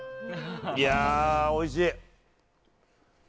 いや、おいしい！